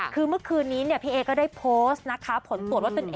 คือเมื่อคืนนี้พี่เอะก็ได้โพสต์